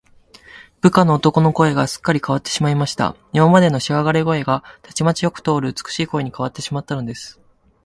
部下の男の声が、すっかりかわってしまいました。今までのしわがれ声が、たちまちよく通る美しい声にかわってしまったのです。